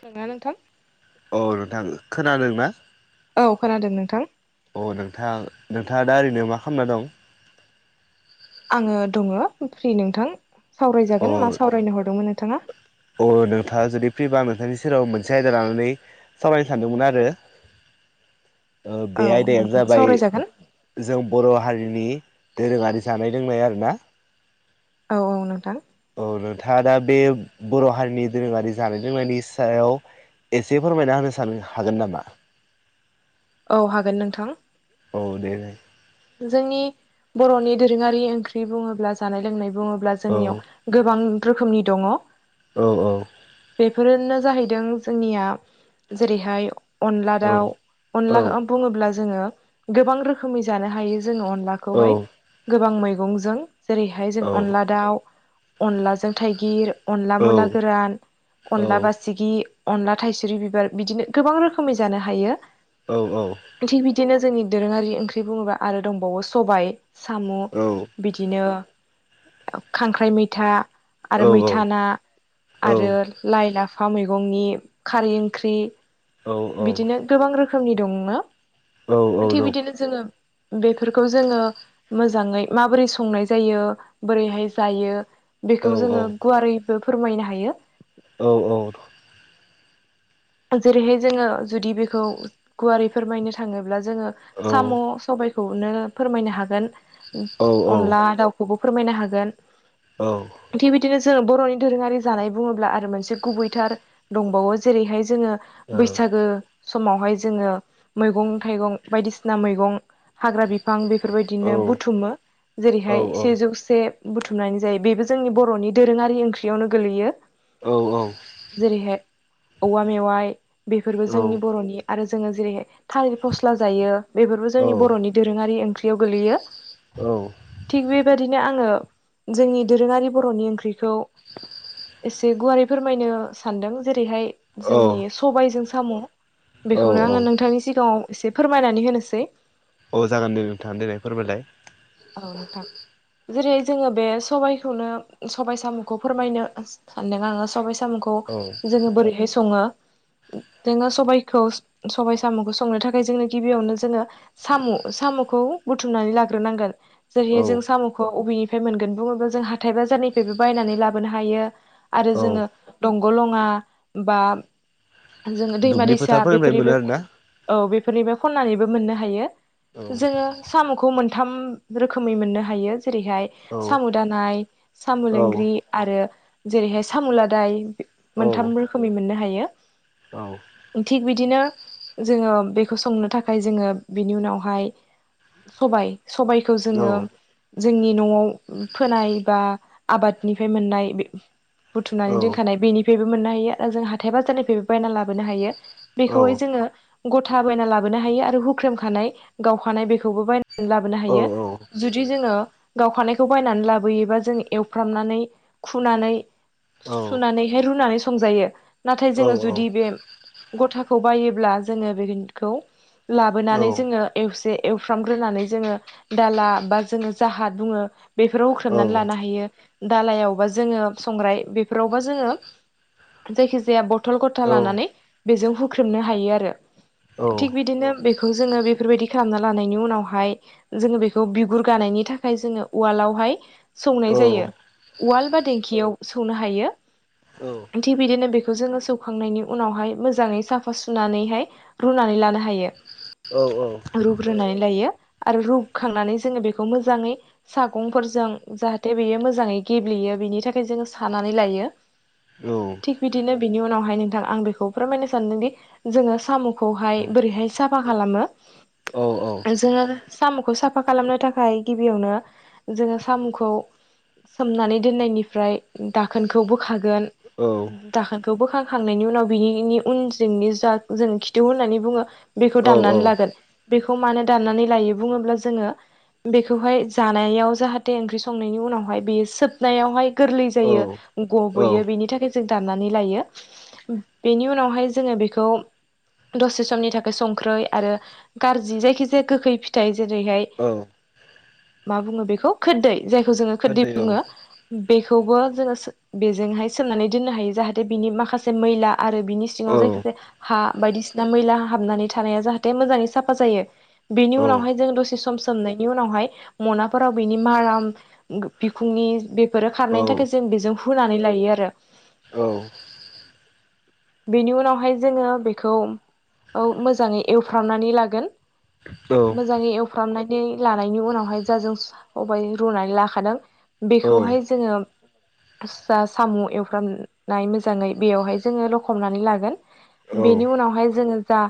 खोनादोंना नोंथां? औ नोंथां खोनादों ना? औ खोनादों नोंथां अ नोंथां नोंथ थाङा दा ओरैनो मा खालामना दं? आङो दङ फ्रि नोंथां। अ सावरायजागोन मा सावरायनो हरदोंमोन नोंथाङा? अ नोंथाङा जुदि फ्रिबां आं नोंथांनि सेराव मोनसे आयदा लानानै सावरायनो सानदोंमोन आरो। ओ औ बे आयदायानो नोंथां जाबाय सावरायजागोन जों बर' हारिनि दोरोङारि जानाय लोंनाय आरो ना। औ औ नोंथां। औ नोंथाङा दा बे बर' हारिनि दोरोङारि जानाय लोंनायनि सायाव एसे फोरमायना होनो सानो हागोन नामा? औ हागोन नोंथां। औ दे दे जोंनि बर'नि दोरोङारि ओंख्रि बुङोब्ला जानाय लोंनाय बुङोब्ला औ जोंनियाव गोबां रोखोमनि दङ। औ औ। बेफोरनो जाहैदों जोंनिया जेरैहाय अनला दाउ औ अनला बुङोब्ला जोङो गोबां रोखोमै जानो हायो जों औ अलाखौहाय गोबां मैगंजों जेरैहाय जों औ अनला दाउ अनलाजों थाइगिर, अनला मुला औ गोरान, अनला बासिगि अनला थाइसुरि बिबार बिदिनो गोबां रोखोमै जानो हायो। औ औ। थिग बिदिनो जोंनि दोरोङारि ओंख्रि बुङोब्ला आरो दंबावो सबाय साम' बिदिनो खांख्राइ मैथा आरो औ मैथा औ ना औ आरो लाइ लाफ फा मैगंनि खारै ओंख्रि औ बिदिनो गोबां रोखोमनि दङनो औ औ थिग नौ बिदिनो जोङो बेफोरखौ जोङो मोजाङै माबोरै संनाय जायो बोरैहाय जायो औ बेखौ औ जोङो गुवारैबो फोरमायनो हायो। औ औ। जेरैहाय जोङो जुदि बेखौ गुवारै फोरमायनो थाङोब्ला जोङो औ साम' सबायखौनो फोरमायनो हागोन अनला दाउखौबो फोरमायनो हागोन औ थिग बिदिनो ज जोङो बर'नि दोरोङारि जानाय बुङोब्ला आरो मोनसे गुबैथार दंबावो जेरैहाय जोङो बैसागो समावहाय जोङो मैगं-थाइगं बायदिसिना मैगं हाग्रा बिफां बे बेफोरबायदिनो बुथुमो जेरैहाय सेजौ से बुथुमनानै जायो बेबो जोंनि बर'नि दोरोङारि ओंख्रियावनो गोलैयो। औ औ। जेरैहाय औवा मेवाइ बेफोरबो जोंनि बर'नि आरो जोङो जेरै थालिर फस्ला जायो। बेफोरबो जोंनि बर'नि दोरोङारि ओंख्रियाव गोलैयो। थिग बेबादि बिदिनो आङो जोंनि दोरोङारि बर'नि ओंख्रिखौ एसे गुवारै फोरमायनो सानदों जेरैहाय जोंनि सबायजों साम' औ बेखौनो आङो नोंथांनि सिगाङाव एसे फोरमायनानै होनोसै। औ जागोन दे नोंथां देनाय फोरमायलाय। औ नोथां। जेरै जोङो बे सबाइखौनो सबबाइ साम'खौ फोरमायनो सानदों आङो सबाइ सा सामखौ औ जोङो बोरैहाय सङो जोङो सबखौ सबाय साम'खौ संनो थाखाय जोङो गिबियावनो जोङो साम' साम'खौ। उम बुथुमनानै लाग्रोनांगोन औ जेरै जों साम'खौ अबे नि। मोनगोन बुङोल्बा हाथाय बाजारनिफ्रायबो बायना लाबोनो हायो आरो औ जोङो दं। गलङा बा जङो दैमा दुब्लि दैसा फोथारफोरनिफ्राय बेफोरनि मोनो बे आरोना औ। बेफोरनिफ्राय खननानैबो मोननो हायो औ जोङो साम'खौ मोनथाम। रोखोमै मोननो हायो जेरैहाय औ साम' दानाय साम' औ लोंग्रि आरो। जेरैहाय सामुलादाय मोनथाम रोखोमै मोननो हायो। औ थिग बिदिनो। जोङो बेखौ संनो थाखाय जोङो बिनि उनावहाय सबाय सबाय। खौ जोङो। जोंनि न'आव फोनाय बा आबादनिफ्राय मोननाय बे। बुथुमनानै दोनखानाय बेनिफ्रायबो मोननो हायो आरो जों हाथाय बाजारनिफ्रायबो बायना लाबोनो हायो। औ बेखौहाय जोङो गथा बायना लाबोनो हायो आरो हुख्रेमखानाय गावखानाय बेखौबो बायना। लाबोनो हायो जुदि जोङो। गावखानायखौ बायनानै लाबोयोबा जों एवफ्रामनानै खुनानै। औ सुनानैहाय रुनानै संजायो नाथाय जोङो जुदि बे। गथाखौ बायोब्ला जोङो बेखौ लाबोनानै जोङो एवसे। एवफ्रामग्रोनानै जोङो दाला बा जोङो जाहा बुङो। बेफोराव होख्रेोमनानै लानो हायो। दालायावबा जोङो संग्राय बेफोरावबा जोङो जायखि जाया बथ। बथल गथा लानानै बेजों हुख्रेमनो हायो आरो थिग बिदिनो। बेखौ जोङो बेफोरबायदि खालामना लानायनि उनावहाय। जोङो बेखौ बिगुर गानायनि थाखाय जोङो उवालावहाय। सौनाय जायो उवाल बा देंखियाव सौनो हायो थिग बिदिनो बेखौ। जोङो सौखांनायनि उनावहाय मोजाङै साफा सुनानैहाय रुनानै लानो हायो। रुग्रोनानै लायो। आरो रुखांनानै जोङो बेखौ मोजाङै सागंफोरजों जाहाथे बेयो मोजाङै गेब्लेयो। बिनि थाखाय जोङो सानानानै लायो औ थिग बिदिनो बिनि उनावहाय नोंथां आं बेखौ फोरमायनो सानदोंदि जोङो सामु औ खौहाय बोरैहाय साफा खालामो औ औ जोङो साम'खौ साफा खालामनो थाखाय गिबियावनो जोङो साम'खौ सोमनानै दोननायनिफ्राय दाखोनखौ बोखागोन दाखोनखौ बो खालामनायनि उनाव बिनिनि उन जोंनि जा जों खिथिउ होननानै बुङो। बेखौ औ दामनानै लागोन बेखौ मानो दामनानै लायो बुङोब्ला जोङो बेखौहाय जानायाव जाहाथे ओंख्रि संनायनि उनावहाय बेयो सोबनायावहाय गोरलै जायो औ गब'यो औ बेनि थाखाय जों दाननानै लायो बेनि उनावहाय जोङो बेखौ दसे समनि थाखाय संख्रै आरो गाज्रि जायखिजाया गोखै फिथाइ जेरैहाय औ मा बुङो बेखौ खोदै जायखौ जोङो खोरदै होनदो बुङो बेखौ खौबो जोङो बेजोंहाय सोमनानै दोननो हायो जाहाथे बिनि माखासे मैला आरो बिनि सिङाव औ जायखिजाया हा बायदिसिना मैला हाबनानै थानाया जाहाथे मोजाङै साफा जायो बेनि औ उनाव दसे सम सोमनायनि उनावहाय मनाफोराव बिनि माराम बिखुंनि बेफोरो औ खारनायनि थाखाय जों बेजों हुनानै लायो आरो बेनि उनावहाय जोङो बेखौ मोजाङै एवफ्रामनानै लागोन मोजाङै एवफ्रामनानै लानायनि उनावहाय जाजों खब रुनानै लाखादों बेखौहाय जोङो जा साम' एवफ्रामनाय मोजाङै बेवहाय जोङो लखबनानै लागोन बेनि उनावहाय जोङो जा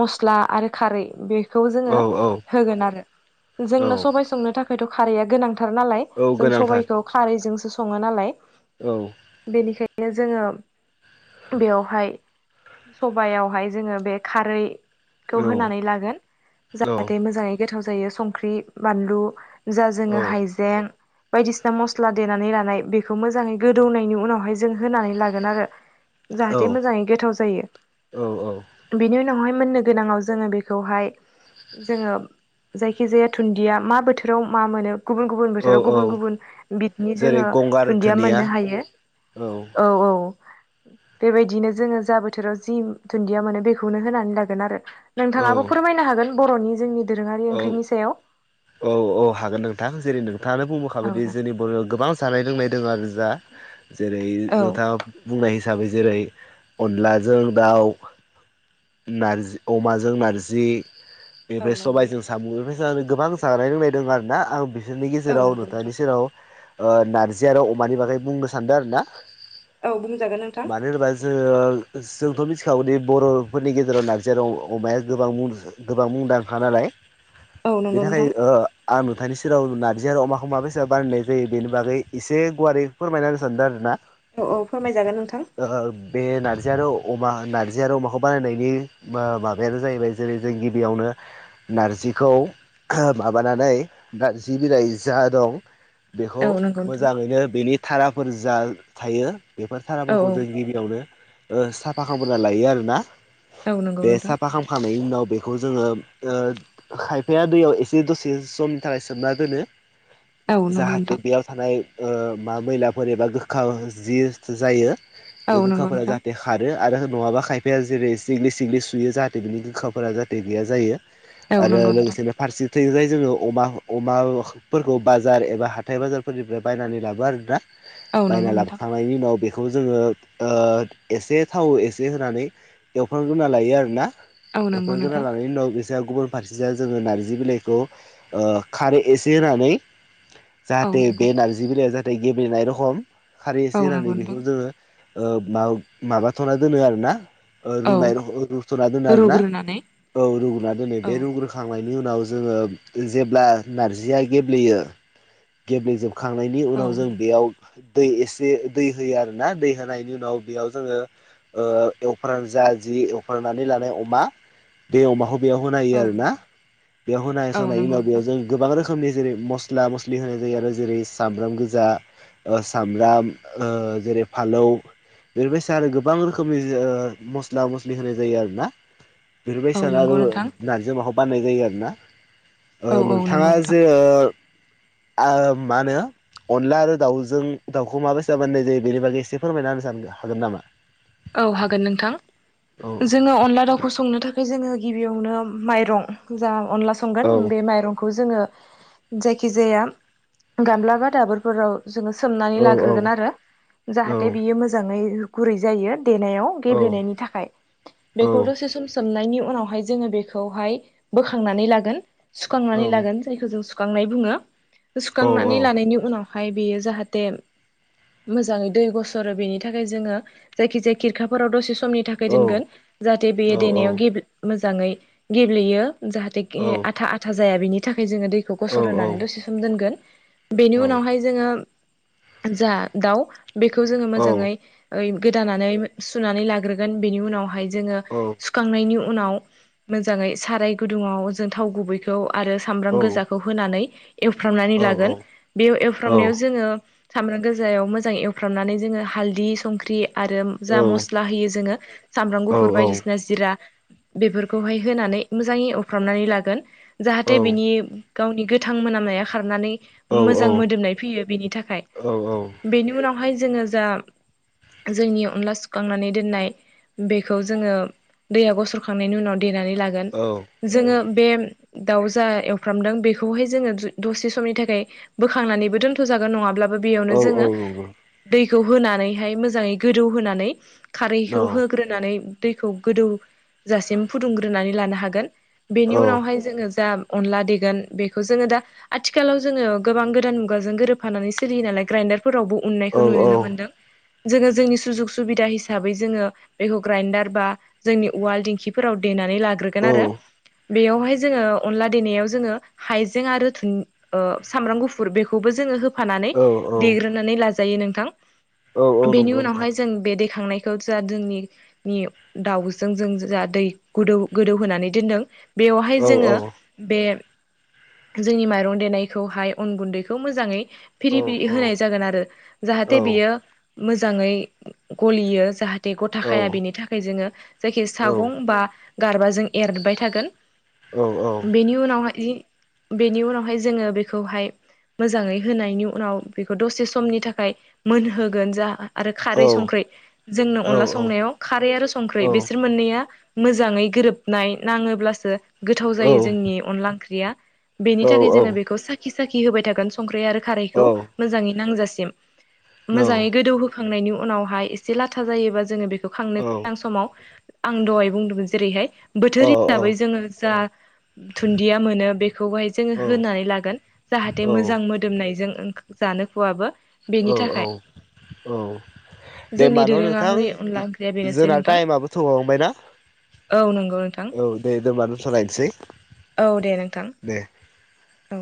मस्ला आरो खारै बे खौ जोङो औ होगोन आरो जोंनो औ सबबाय संनो थाखायथ' खारैया गोनांथार [unintelligible] ज स गोनांथार ख सालनि औ बिनो जोङो बेयावहाय सबयावहाय जोङो बे खारै खौ औ औ औ होनानै लागोन जाहाथे मोजाङै गोथाव जायो संख्रि बानलु जा जोङो हाइजें बायदिसिना मस्ला देनानै लानाय बेखौ मोजाङै गोदौनायनि उनावहाय जों होनानै लागोन आरो जाहाथे मोजाङै गोथाव जायो औ बेनि उन उनावहाय मोननो गोनाङाव जोङो बेखौहाय जोङो जायखि जाया थुुनन्दिया मा बोथोराव मा मोनो गुबुन गुबुन औ बोथोराव औ गुबुन गुबुन बिटनि जेरै जोङो गंगार दुुनन्दिया धुनिया मोननो हायो। औ बेबायदिनो जोङो जा बोथोराव जि दुन्दिया मोनो बेखौनो होनानै लागोन आरो नोंथाङाबो फोरमायनो हागोन बर'नि जोंनि दोरोङारि औ ओंख्रिनि सायाव औ औ हागोन नोंथां जेरै नों नोंथाङानो औ बुंबोखाबायदि नोंथां जोंनि बर'आव गोबां जानाय लोंनाय दङ आरो जा जेरै औ नोंथाङा बुंनाय हिसाबै जेरै अनलाजों दाउ नारजि अमाजों नार्जि बेनिफ्राय औ नंगौ सबायाइजों नोंथां साम' बेफ्राय गोबां जानाय लोंलनाय द आरो ना आं बि बिसोरनि औ गेजेराव नंगौ नोंथां नुथनि सेराव नारजि आरो अमानि बागै बुंनो सानदों आरो ना औ बुंजागोन नोंथां मानो होनबा जोङो। आवदि बर'फोरनि गेजेराव नारजि अमाया गोबां गोबां मुंदांखा नालाय औ नंगौ बेनि नोंथां थाखाय ओ आं नुथनि सेराव नारजि आरो अमाखौ माबेसे बानायनाय जायो बेनि बागै एसे गुवारै फोरमायना होनो सानदों आरो ना औ औ फोरमायजागोन नोंथां ओ बे नारजि आरो अमा नार्जि आरो अमाखौ बानायनायनि माबायानो जाहैबाय जेरै जों गिबियावनो नारजि बेखौ औ नंगौ नोंथां मोजाङैनो बेनि थाराफोर जा बेफोर औ थाराफोरखौ औ जों गिबियावनो ओ साफा खालामना लायो आरोना औ नंगौ बे नोंथां साफा खालामखांनायनि उनाव बेखौ जोङो ओ खायफाया दैयाव एसे दसे समनि थाखाय सोमना दोनो औ नंगौ जाहाथे नोंथां बेयाव थानाय ओ मा मैलाफोर एबा गोखा जि जायो औ बे नंगौ गोखाफोरा नोंथां जाहाथे खारो आरो नङाबा खायफाया जेरै सिग्लि सिग्लि सुयो जाहाथे बिनि गोखाफोरा जाहाथे गैया जायो औ आरो नंगौ नोंथां लोगोसेनो फारसे थिंजाय जोङो अमा अमाफोरखौ बाजार एबा हाथाय बाजारफोरनिफ्राय बायनानै लाबो आरोना औ नंगौ बायना नोंथां लाबोखांनायनि उनाव बे बेखौ जोङो ओ एसे थाव एसे होनानै एवफ्रांग्रोना लायो आरोना औ नंगौ एवफ्राम ग्रोना नोंथां लानानै उनाव बे फारसेजों गुबुन फारसेथि जोङो नारजि बिलाइखौ ओ खारै एसे होनानै औ जाहाथे नंगौ बे नारजि बिलाइया जाहाथे गेब्लेनाय रखम खारै एसे औ होनानै नंगौ नोंथां बेखौ जोङो ओ मा माबाथ'ना दोनो आरोना ओ औ रुनाय रुथ'ना दोनो आरो ना रुग्रोनानै औ रुग्रोना दोनो औ बे रुग्रोखां नायनि उनाव जोङो जेब्ला नारजिया गेब्लेयो गेब्लेजोब खांनायनि औ उनाव जों बेयाव दै एसे दै होयो आरो ना दै होनायनि उनाव बेयाव जोङो ओ एवफ्रान जा जि एवफ्रामनानै लानाय अमा बे अमाखौ बेयाव होना औ होयो आरो ना बेयाव होना औ होखांनायनि नंगौ उनाव नोंथां जों गोबां रोखोमनि जेरै मस्ला मस्लि लि होनाय जायो आरो जेरै सामब्राम गोजा ओ सामब्राम ओ जेरै ओ फालौ बेफोरबायसा आरो गोबां रोखोमनि ओ मस्ला मस्लि होनाय जायो आरोना औ बेफोरबायसानो आरो नंगौ नोंथां नारजि अमाखौ बानायनाय जायो आरो ना औ ओ औ नंगौ नोंथाङा नोंथां जे ओ आ मा होनो अनला आरो दाउजों दाउखौ माबायसा बानायनाय जायो बेनि बागै एसे फोरमायना होनो सान हागोन नामा? औ हागोन नोंथां औ जोङो अनला दाउखौ संनो थाखाय जोङो गिबियावनो माइरं जा अनला संगोन औ बे माइरंखौ खौ जोङो जायखि जाया गामलाबा दाबोरफोराव जोङो सोमनानै औ लाग्रोगोन आरो औ जाहाथे बियो मोजाङै गुरै जायो देनायाव औ गेब्लेनायनि थाखाय औ बेखौ दसे सोम सोमनायनि उनाव उनावहाय जो बेखौहाय बोखांनानै लागोन औ सुखांनानै लागोन जायखौ जोङो सु खांनाय बुङो औ औ सुखांनानै लानायनि उनाव हाय बेयो जाहाथे मोजाङै दै गसरो बेनि थाखाय जोङो जायखि जाया खिरखाफोराव दसे समनि थाखाय दोनगोन जाहाथे बेयो नंगौ देनायाव औ गेब्ले मोजाङै जाङै गेब्लेयो जाहाथे औ गे आथा आथा जाया बिनि थाखाय [unintelligible] जोङो दैखौ गसर औ होनानै दसे सम दोनगोन बेनि उनावहाय जोङो जा दाउ बेखौ जोङो मोजाङै ओ गोदानानै सुनानै लाग्रोगोन बेनि उनावहाय जोङो सुखांनायनि उ उनाव मोजाङै साराय गुदुङाव जों थाव गुबैखौ आरो सामब्राम गोजाखौ होनानै एवफ्रामनानै लागोन बेयाव एवफ्रामनायाव जोङो सामब्राम गोजायाव मोजाङै एवफ्रामनानै जोङो हालदि संख्रि आरो जा मस्ला होयो जोङो सामब्राम गुफुर बायदिसिना जिरा बेफोरखौहाय होनानै मोजाङै एवफ्रामनानै लागोन। जाहाथे बिनि गावनि गोथां मोनामनाया खारनानै मोजां मोदोमनाय फैयो बिनि थाखाय बेनि उनाव हाय जोङो जा जोंनि अनला सु सुखांनानै दोननाय बेखौ जोङो दैया गसरखांनायनि उनाव देनानै लागोन जोङो बे दाउ जा एवफ्रामदों बेखौहाय जोङो दसे समनि थाखाय बोखांनानैबो दोनथ जागोन नङाब्लाबो बेयावनो जोंङो दैखौ होनानैहाय मोजांङै गोदौ होनानै खारैखौ होग्रोनानै दैखौ गोदौजासिम फुदुंग्रोनानै लानो हागोन। बेनि उनावहाय जोङो जा अनला देगोन बेखौ जोङो दा आथिखालाव जोङो गोबां गोदान मुगाजों गोरोबफानानै सोलियो नालाय ग्राइडार फोरावबो उननायखौ नुनो मोनदों जोंङो जोंनि [unintelligible] सुबिदा हिसाबै जोङो बेखौ ग्राइडार बा जोंनि उवाल दिंखिफोराव देनानै लाग्रोगोन आरो बेयावहाय जोङो अनला देनायाव जोङो हाइजें डु सामब्राम गुफुर बेखौबो जोङो हो फानानै औ देग्रोनानै लाजायो नोंथां औ औ नंगौ बेनि नोंथां उनावहाय जों बे दैखांनायखौ जा जोंनि दाउजों जों जा दै गोदौ गोदौ होनानै नों बेवहाय औ जोङो औ बे जोंनि माइरं देनायखौहाय अन गुन्दैखौ मोजांङै दे फ्रि फ्रि होमबा होनाय जागोन आरो जाहाथे बेयो मोजांङै गलियो जाहाथे गथाखाया बेनि थाखाय जोङो जायखि सागं बा गारबा जों एरबाय थागोन बेनि उनावहाय बेनि उनावहाय जोङो बेखौहाय मोजांङै होनायनि उनाव बेखौ दसे समनि थाखाय मोनहोगोन जा खारै संख्रै जोंनो अनला संनायाव खारै आरो संख्रै बेसोर मोननैया मोजांङै गोरोबनाय नाङोब्लासो गोथाव जायो जोंनि अनला ओंख्रिया बेनि थाखाय जोङो बेखौ साखि साखि होबाय थागोन संख्रि आरो खारैखौ मोजांङै नांजासिम मोजांङै गोदौ होखांनायनि उनावहाय एसे लाथा जायोबा जोङो बेखौ बेखौ खांनो गोनां समाव आं दहाय बुंदोंमोन जेरैहाय बोथोर हिसाबै जोङो जा धुन्दिया मोनो बेखौहाय जोङो होनानै लागोन जाहाथे मोजां मोदोमनायजों जानो खुवाबो बेनि थाखाय जोंनि न' नोंथां दोरोंङारि अनला ओंख्रिया बेनोसै जोंना नोंथां। टाइमाबो थौहांबायना औ नंगौ नोंथां औ दे दोनबा दोनथ'लायनोसै औ दे नोंथां। दे औ।